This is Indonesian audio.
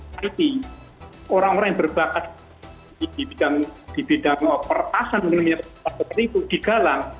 orang orang yang berbakat di bidang perpasan di dalam perlindungan seperti itu digalang